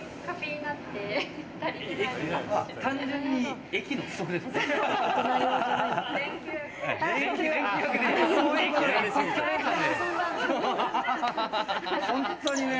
単純に、液の不足ですね。